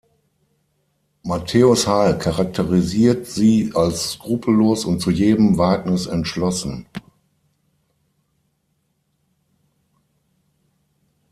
Matthäus Heil charakterisiert sie als skrupellos und zu jedem Wagnis entschlossen.